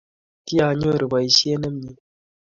kianyoru poishet nemie